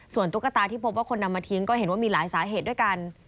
ส่วนตุ๊กตาที่พบว่าคนนำมาทิ้งก็เห็นว่ามีหลายสาเหตุด้วยกัน